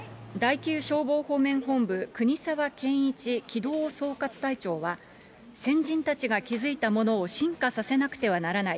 第９勝防方面本部、国沢健一機動総括隊長は、先人たちが築いたものを進化させなくてはならない。